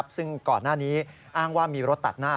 ซึ่งก่อนหน้านี้อ้างว่ามีรถตัดหน้า